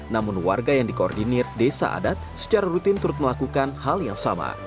namun warga yang dikoordinir desa adat secara rutin turut melakukan hal yang sama